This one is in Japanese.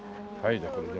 じゃあこれで。